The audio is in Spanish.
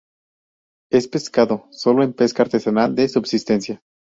Es pescado sólo en pesca artesanal de subsistencia.